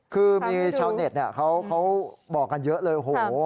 คือมีชาวเน็ตเขาบอกกันเยอะเลยโอ้โห